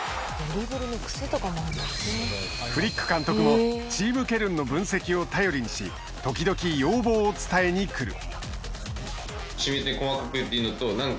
フリック監督もチームケルンの分析を頼りにし時々、要望を伝えに来る。